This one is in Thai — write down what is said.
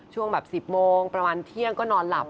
ช่วงแบบ๑๐โมงประมาณเที่ยงก็นอนหลับ